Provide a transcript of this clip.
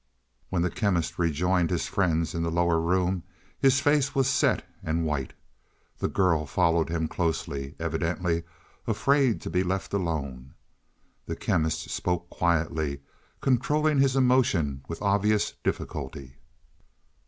When the Chemist rejoined his friends in the lower room his face was set and white. The girl followed him closely, evidently afraid to be left alone. The Chemist spoke quietly, controlling his emotion with obvious difficulty.